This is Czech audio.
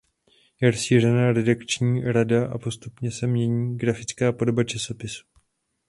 Je rozšířena redakční rada a postupně se mění grafická podoba časopisu.